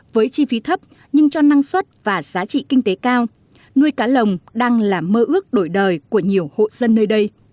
với chi phí thấp nhưng cho năng suất và giá trị kinh tế cao nuôi cá lồng đang là mơ ước đổi đời của nhiều hộ dân nơi đây